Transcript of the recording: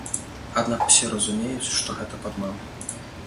Аднак усе разумеюць, што гэта падман.